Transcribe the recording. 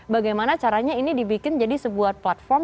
bagaimana caranya ini dibikin jadi sebuah platform